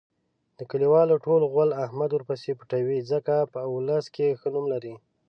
د کلیوالو ټول غول احمد ورپسې پټوي. ځکه په اولس کې ښه نوم لري.